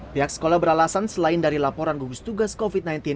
pihak sekolah beralasan selain dari laporan gugus tugas covid sembilan belas